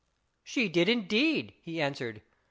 " She did indeed," he answered.